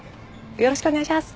よろしくお願いします。